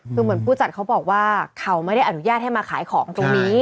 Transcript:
คือเหมือนผู้จัดเขาบอกว่าเขาไม่ได้อนุญาตให้มาขายของตรงนี้